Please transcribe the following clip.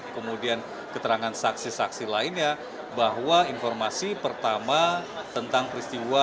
kemudian keterangan saksi saksi lainnya bahwa informasi pertama tentang peristiwa